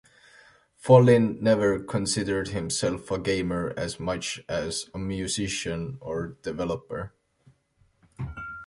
Follin never considered himself a gamer as much as a musician or developer.